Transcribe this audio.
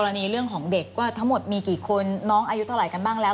อันนี้เรื่องของเด็กว่าทั้งหมดมีกี่คนน้องอายุเท่าไหร่กันบ้างแล้ว